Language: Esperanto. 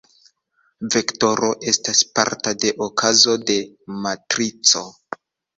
Vektoro estas parta de okazo de matrico.